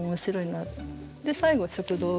で最後は食堂。